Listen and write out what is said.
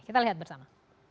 kita lihat bersama